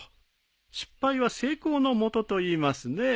失敗は成功のもとといいますね。